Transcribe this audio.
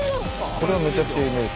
これはめちゃくちゃ有名です。